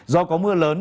do có mưa lớn